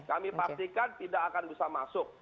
kami pastikan tidak akan bisa masuk